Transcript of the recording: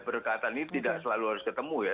berdekatan ini tidak selalu harus ketemu ya